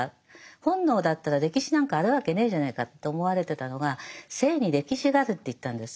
本能だったら歴史なんかあるわけねえじゃねえかと思われてたのが性に歴史があるって言ったんです。